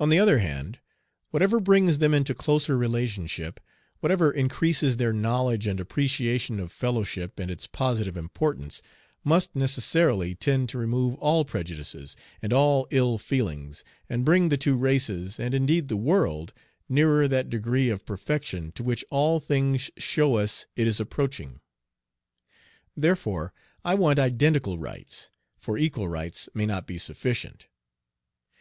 On the other hand, whatever brings them into closer relationship, whatever increases their knowledge and appreciation of fellowship and its positive importance, must necessarily tend to remove all prejudices, and all ill feelings, and bring the two races, and indeed the world, nearer that degree of perfection to which all things show us it is approaching. Therefore I want identical rights, for equal rights may not be sufficient.